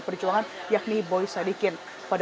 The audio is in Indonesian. perjuangan yakni boy sadikin